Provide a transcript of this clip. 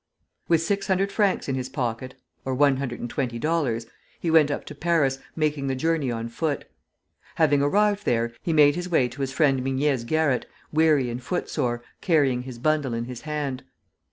With six hundred francs in his pocket ($120), he went up to Paris, making the journey on foot. Having arrived there, he made his way to his friend Mignet's garret, weary and footsore, carrying his bundle in his hand.